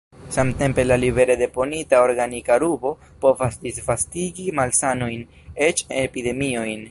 Samtempe la libere deponita organika rubo povas disvastigi malsanojn, eĉ epidemiojn.